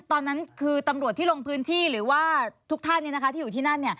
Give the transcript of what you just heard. ตอนนั้นคือตำรวจที่ลงพื้นที่หรือว่าทุกท่านที่อยู่ที่นั่น